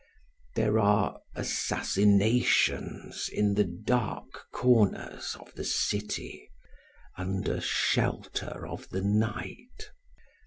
There are assassinations in the dark corners of the city under shelter of the night.